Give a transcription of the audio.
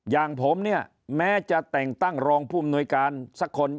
อย่างผมเนี่ยแม้จะแต่งตั้งรองผู้อำนวยการสักคน